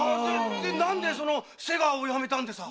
で何でその瀬川を辞めたんですか？